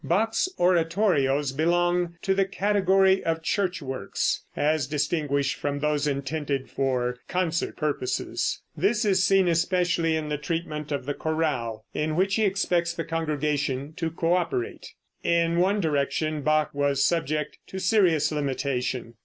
Bach's oratorios belong to the category of church works, as distinguished from those intended for concert purposes. This is seen especially in the treatment of the chorale, in which he expects the congregation to co operate. In one direction Bach was subject to serious limitation.